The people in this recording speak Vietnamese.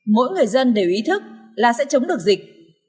mỗi người dân đều ý thức là sẽ chống được dịch